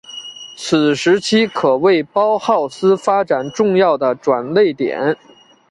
此时期可谓包浩斯发展重要的转捩点。